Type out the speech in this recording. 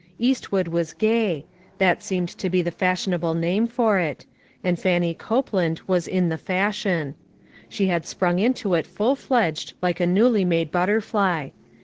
Eastwood was gay. That seemed to be the fashionable name for it ; and Fannie Cope 435 ONE COMMONPLACE DAY. land was in the fashion. She had sprung into it full fledged like a newly made butter fly.